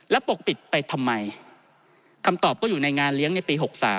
แล้วปกปิดไปทำไมคำตอบก็อยู่ในงานเลี้ยงในปี๖๓